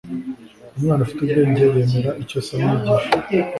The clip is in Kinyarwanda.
umwana ufite ubwenge yemera icyo se amwigisha